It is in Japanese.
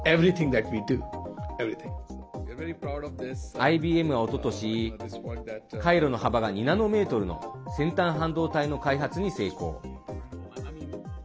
ＩＢＭは、おととし回路の幅が２ナノメートルの先端半導体の開発に成功。